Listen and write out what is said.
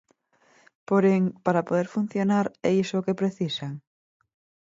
Porén, para poder funcionar, é iso o que precisan?